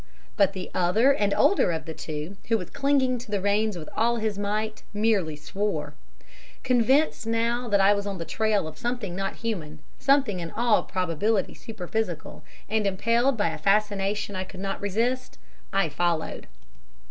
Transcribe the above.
But the other and older of the two, who was clinging to the reins with all his might, merely swore. "Convinced now that I was on the trail of something not human something in all probability superphysical, and, impelled by a fascination I could not resist, I followed.